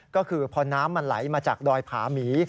ก็คือพอน้ำมันไหลมาจากดอยผาหมี